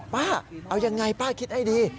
ป้าเอายังไงป้าคิดให้ดี